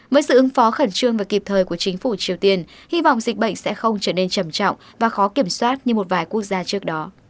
với sự ứng phó khẩn trương và kịp thời của chính phủ triều tiên hy vọng dịch bệnh sẽ không trở nên trầm trọng và khó kiểm soát như một vài quốc gia trước đó